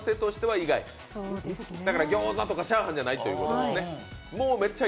ギョーザとかチャーハンとかじゃないということですね。